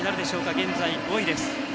現在、５位です。